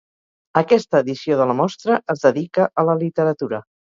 Aquesta edició de la mostra es dedica a la literatura.